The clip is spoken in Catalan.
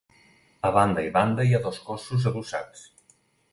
A banda i banda hi ha dos cossos adossats.